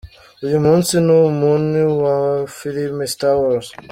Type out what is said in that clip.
Uyu munsi ni umuni wa filime Star Wars.